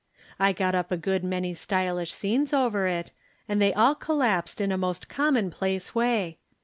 I got up a good many stj'lish scenes over it, and they all collapsed in a most commonplace way.